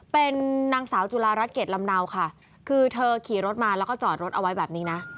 เป็นนางสาวจุฬารัฐเกรดลำเนาค่ะคือเธอขี่รถมาแล้วก็จอดรถเอาไว้แบบนี้นะ